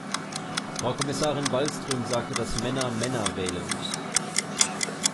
Frau Kommissarin Wallström sagte, dass Männer Männer wählen.